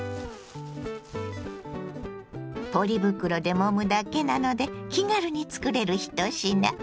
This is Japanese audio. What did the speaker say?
ポリ袋でもむだけなので気軽につくれる一品。